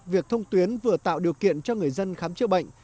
việc thông tuyến vừa tạo điều kiện cho người dân khám chữa bệnh